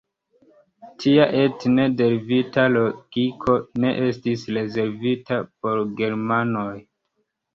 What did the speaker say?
Tia etne derivita logiko ne estis rezervita por Germanoj.